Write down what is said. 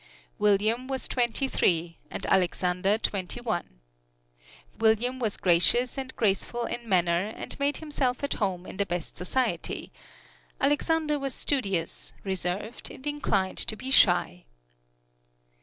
William was twenty three and Alexander twenty one. William was gracious and graceful in manner and made himself at home in the best society; Alexander was studious, reserved and inclined to be shy.